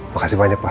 makasih banyak pak